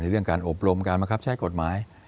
เรื่องการอบรมการบังคับใช้กฎหมาย